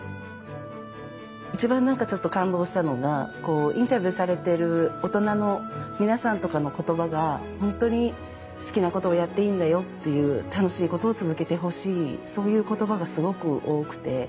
一番何かちょっと感動したのがこうインタビューされてる大人の皆さんとかの言葉が本当に好きなことをやっていいんだよっていう楽しいことを続けてほしいそういう言葉がすごく多くて。